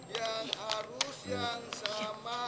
yang arus yang sama